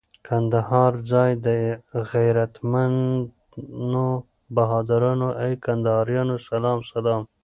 کندهار ځای د غیرتمنو بهادرانو، ای کندهاریانو سلام سلام